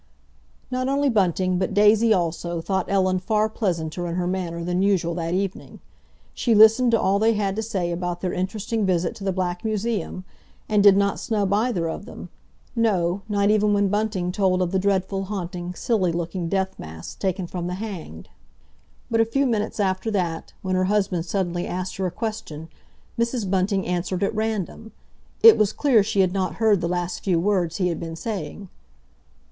Not only Bunting, but Daisy also, thought Ellen far pleasanter in her manner than usual that evening. She listened to all they had to say about their interesting visit to the Black Museum, and did not snub either of them—no, not even when Bunting told of the dreadful, haunting, silly looking death masks taken from the hanged. But a few minutes after that, when her husband suddenly asked her a question, Mrs. Bunting answered at random. It was clear she had not heard the last few words he had been saying.